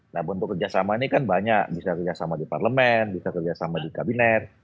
nah bentuk kerjasama ini kan banyak bisa kerjasama di parlemen bisa kerjasama di kabinet